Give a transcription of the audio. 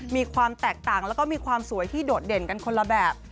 มีความแตกต่างแล้วก็มีความสวยที่โดดเด่นกันคนละแบบ